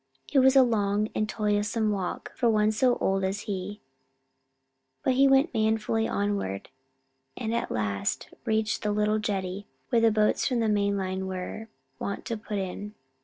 It was a long and toilsome walk for one so old as he was, but he went manfully onward, and at last reached the little jetty where the boats from the mainland were wont to put in.